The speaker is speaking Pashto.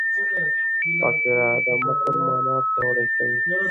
فقره د متن مانا پیاوړې کوي.